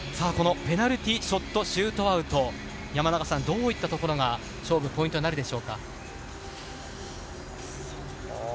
ペナルティ・ショット・シュートアウト、どういったところが勝負、ポイントになるでしょうか？